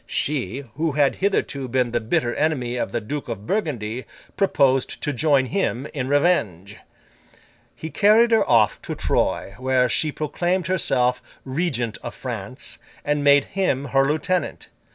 She, who had hitherto been the bitter enemy of the Duke of Burgundy, proposed to join him, in revenge. He carried her off to Troyes, where she proclaimed herself Regent of France, and made him her lieutenant.